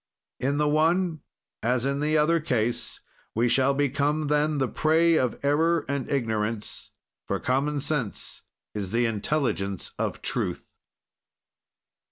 "In the one as in the other case, we shall become, then, the prey of error and ignorance, for common sense is the intelligence of truth."